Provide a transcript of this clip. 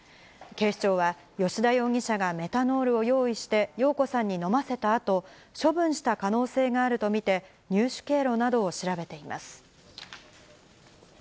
警視庁は、吉田容疑者がメタノールを用意して容子さんに飲ませたあと、処分した可能性があると見て、入手経路などを調べています。